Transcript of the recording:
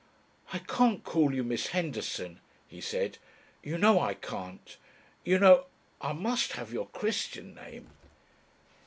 "I can't call you Miss Henderson," he said. "You know I can't. You know ... I must have your Christian name."